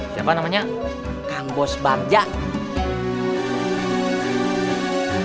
baik ramah ilmunya tinggi dan bekerja keras